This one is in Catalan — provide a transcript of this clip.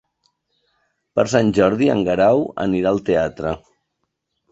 Per Sant Jordi en Guerau anirà al teatre.